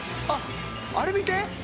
あっあれ見て！